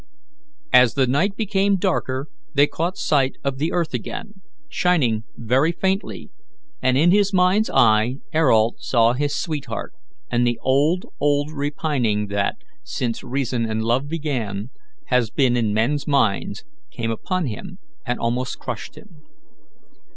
As the, night became darker they caught sight of the earth again, shining very faintly, and in his mind's eye Ayrault saw his sweetheart, and the old, old repining that, since reason and love began, has been in men's minds, came upon him and almost crushed him.